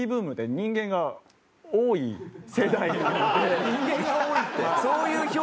人間が多い世代？